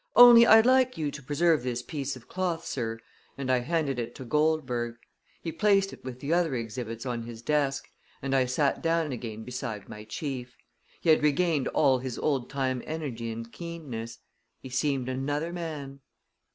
"Only I'd like you to preserve this piece of cloth, sir," and I handed it to Goldberg. He placed it with the other exhibits on his desk, and I sat down again beside my chief. He had regained all his old time energy and keenness he seemed another man.